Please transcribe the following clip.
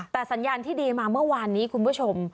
แต่สัญญาณที่ดีมาเมื่อวานนี้คุณผู้ชม